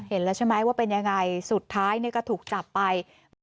แล้วใช่ไหมว่าเป็นยังไงสุดท้ายก็ถูกจับไป